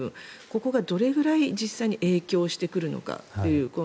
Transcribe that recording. ここがどれぐらい実際に影響してくるのかという。